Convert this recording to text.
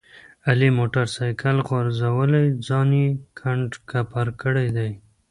علي موټر سایکل غورځولی ځان یې کنډ کپر کړی دی.